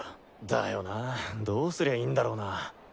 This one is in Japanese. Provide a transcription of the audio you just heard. だよなどうすりゃいいんだろな。